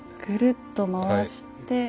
ぐるっと回して。